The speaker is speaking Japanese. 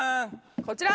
こちら。